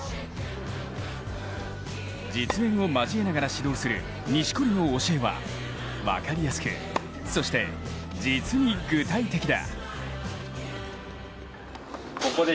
実演を交えながら指導する錦織の教えは分かりやすくそして実に具体的だ。